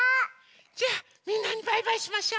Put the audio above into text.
じゃあみんなにバイバイしましょ！